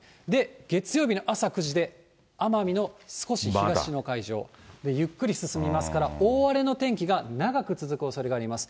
月曜日の朝９時で奄美の少し東の海上、ゆっくり進みますから、大荒れの天気が長く続くおそれがあります。